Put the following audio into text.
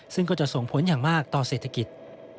ซึ่งก็จะส่งผลอย่างมากต่อเศรษฐกิจ